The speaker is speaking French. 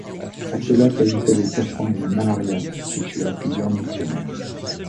À cela s'ajoutait les serpents et la malaria qui tua plusieurs missionnaires.